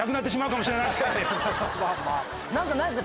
何かないっすか？